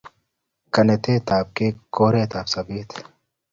Kanetet ab kei ko oret ab sobet